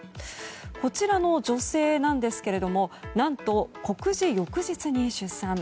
こちらの女性なんですが何と、告示翌日に出産。